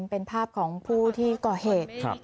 เป็นภาพของผู้ที่ก่อเหตุ